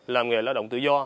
làm nghề lao động tự do